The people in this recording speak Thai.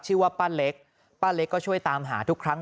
ชื่อว่าป้าเล็กป้าเล็กก็ช่วยตามหาทุกครั้ง